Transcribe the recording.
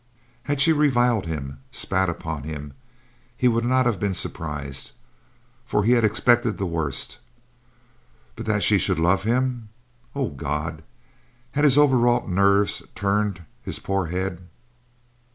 Had she reviled him, spat upon him, he would not have been surprised, for he had expected the worst; but that she should love him! Oh God, had his overwrought nerves turned his poor head?